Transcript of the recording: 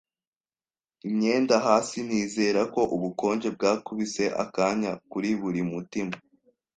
imyenda, hasi. Nizera ko ubukonje bwakubise akanya kuri buri mutima.